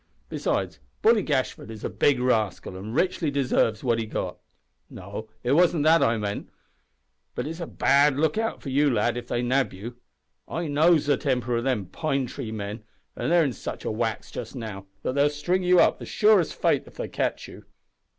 Besides, Bully Gashford is a big rascal, an' richly deserves what he got. No, it wasn't that I meant but it's a bad look out for you, lad, if they nab you. I knows the temper o' them Pine Tree men, an' they're in such a wax just now that they'll string you up, as sure as fate, if they catch you."